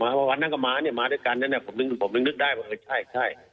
อ่ามาวันนั้นกับมาเนี่ยมาด้วยกันนั้นเนี่ยผมนึกผมนึกนึกได้ว่าใช่ใช่